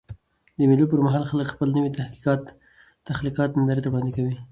د مېلو پر مهال خلک خپل نوي تخلیقات نندارې ته وړاندي کوي.